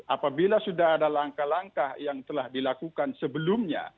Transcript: apabila sudah ada langkah langkah yang telah dilakukan sebelumnya